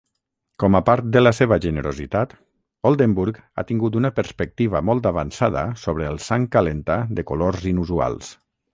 Com a part de la seva generositat, Oldenburg ha tingut una perspectiva molt avançada sobre els sang calenta de colors inusuals.